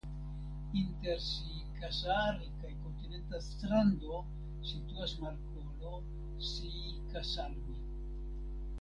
Inter Siikasaari kaj kontinenta strando situas markolo Siikasalmi.